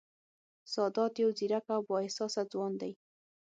سادات یو ځېرک او با احساسه ځوان دی